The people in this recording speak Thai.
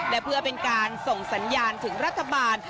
และเพื่อเป็นการส่งสัญญาณถึงรัฐบาล